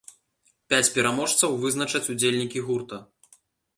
Пяць пераможцаў вызначаць удзельнікі гурта.